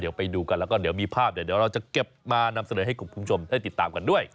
เดี๋ยวไปดูกันแล้วก็เดี๋ยวมีภาพเดี๋ยวเราจะเก็บมานำเสนอให้คุณผู้ชมได้ติดตามกันด้วย